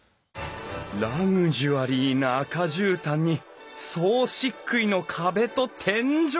ラグジュアリーな赤じゅうたんに総しっくいの壁と天井！